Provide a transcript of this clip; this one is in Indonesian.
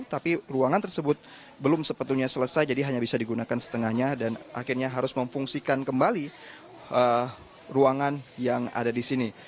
tapi ruangan tersebut belum sebetulnya selesai jadi hanya bisa digunakan setengahnya dan akhirnya harus memfungsikan kembali ruangan yang ada di sini